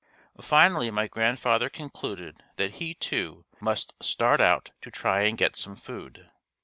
Finally my grandfather concluded that he, too, must start out to try and get some food.